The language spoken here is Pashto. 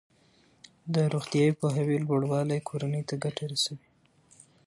د روغتیايي پوهاوي لوړوالی کورنۍ ته ګټه رسوي.